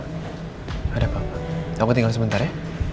tidak ada apa apa aku tinggal sebentar ya